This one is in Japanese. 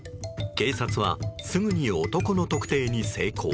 警察は、すぐに男の特定に成功。